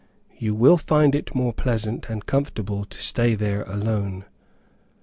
You will find it more pleasant and comfortable to stay there alone."